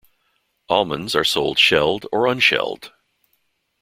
Almonds are sold shelled or unshelled.